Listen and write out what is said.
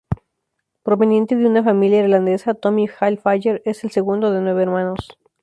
Proveniente de una familia irlandesa, Tommy Hilfiger es el segundo de nueve hermanos.